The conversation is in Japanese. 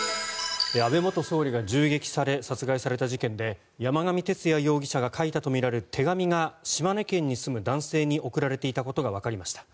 安倍元総理が銃撃され殺害された事件で山上徹也容疑者が書いたとみられる手紙が島根県に住む男性に送られていたことがわかりました。